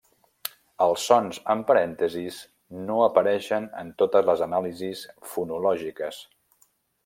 Els sons en parèntesis no apareixen en totes les anàlisis fonològiques.